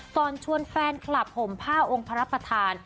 ก่อนชวนแฟนคลับห่มผ้าองค์พระประธาน